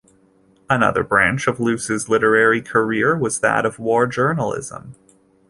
Another branch of Luce's literary career was that of war journalism.